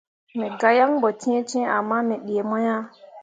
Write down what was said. Me gah yaŋ ɓo cẽecẽe ama me ɗii mo ah.